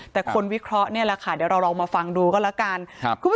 แต่คนวิเคราะห์นี่แหละค่ะเดี๋ยวเราลองมาฟังดูก็แล้วกัน